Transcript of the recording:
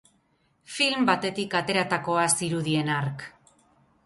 Film batetik ateratakoa zirudien hark.